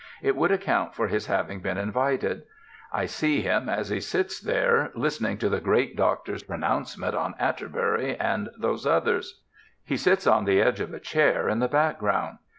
It would account for his having been invited. I see him as he sits there listening to the great Doctor's pronouncement on Atterbury and those others. He sits on the edge of a chair in the background.